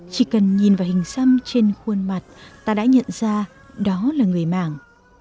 chỉ cần nhìn vào hình xăm trên khuôn mặt ta đã nhận ra đó là người mảng